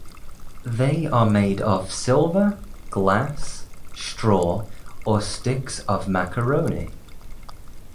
They are made of silver, glass, straw, or sticks of macaroni.